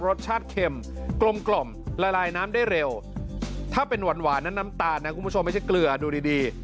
รสชาติเข็มกลมกล่อมละลายน้ำได้เร็วถ้าเป็นหวานนั้นน้ำตาลนะคุณผู้ชมไม่ใช่เกลือดูดีดี